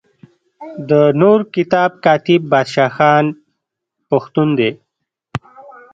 د نور کتاب کاتب بادشاه خان پښتون دی.